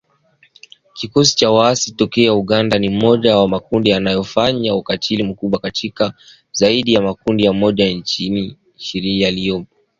Kikosi cha Waasi tokea Uganda ni mmoja ya makundi yanayofanya ukatili mkubwa kati ya zaidi ya makundi Mia Moja ishirini yaliyopo